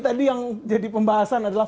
tadi yang jadi pembahasan adalah